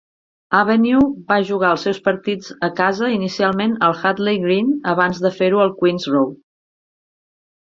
Avenue va jugar els seus partits a casa inicialment al Hadley Green abans de fer-ho al Queens Road.